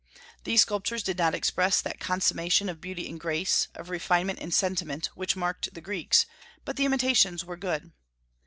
These sculptures did not express that consummation of beauty and grace, of refinement and sentiment, which marked the Greeks; but the imitations were good.